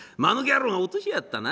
野郎が落としやがったな。